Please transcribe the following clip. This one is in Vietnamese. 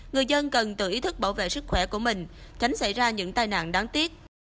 người dân cần tự ý thức bảo vệ sức khỏe của mình tránh xảy ra những tai nạn đáng tiếc